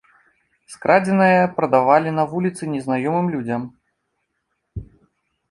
Скрадзенае прадавалі на вуліцы незнаёмым людзям.